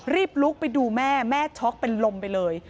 รีบลุกไปดูแม่แม่ช็อกเป็นลมไปเลย